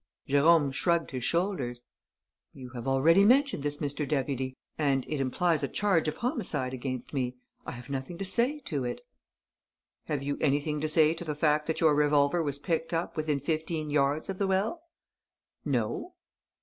Jérôme shrugged his shoulders: "You have already mentioned this, Mr. Deputy, and it implies a charge of homicide against me. I have nothing to say to it." "Have you anything to say to the fact that your revolver was picked up within fifteen yards of the well?" "No."